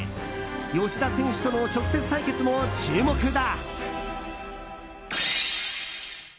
吉田選手との直接対決も注目だ。